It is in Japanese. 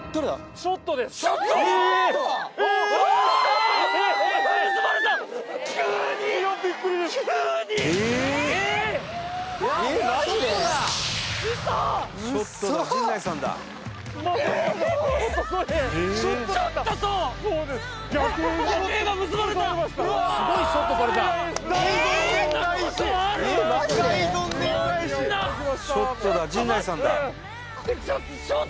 ショットだ陣内さんだうわっ！